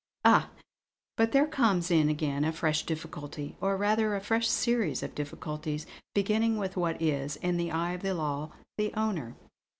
"Ah, but there comes in again a fresh difficulty; or rather a fresh series of difficulties, beginning with what is, in the eye of the law, the 'owner.'